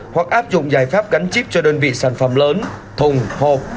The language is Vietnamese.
hoặc áp dụng giải pháp gắn chip cho đơn vị sản phẩm lớn thùng hộp